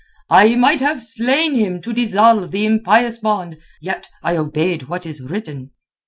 "I might have slain him to dissolve the impious bond, yet I obeyed what is written."